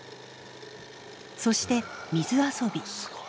そして水遊び。